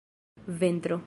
ventro